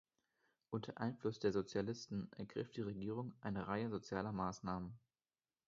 Unter Einfluss der Sozialisten ergriff die Regierung eine Reihe sozialer Maßnahmen.